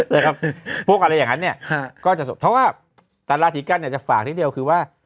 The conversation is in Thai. นะครับพวกอะไรอย่างนั้นเนี่ยก็จะเพราะว่าแต่ราศีกันเนี่ยจะฝากนิดเดียวคือว่า